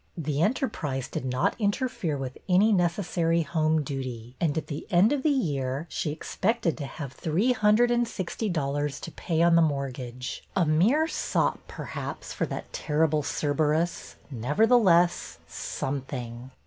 The enterprise did not in terfere with any necessary home duty, and at the end of the year she expected to have three hun 204 BETTY BAIRD'S VENTURES dred and sixty dollars to pay on the mortgage, — a mere sop, perhaps, for that terrible Cer berus, nevertheless something.